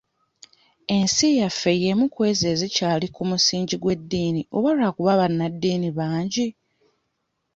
Ensi yaffe y'emu kw'ezo ezikyali ku musingi ogw'eddiini oba lwakuba bannaddiini bangi?